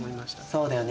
そうだよね。